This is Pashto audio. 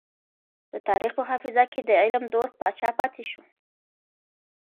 د تاريخ په حافظه کې د علم دوست پاچا پاتې شو.